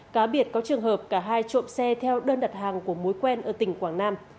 cá biệt có trường hợp cả hai trộm xe theo đơn đặt hàng của mối quen ở tỉnh quảng nam